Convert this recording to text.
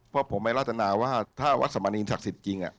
เพราะผมไม่รัตนาว่าถ้าวัดสมณีศักดิ์สิทธิ์จริง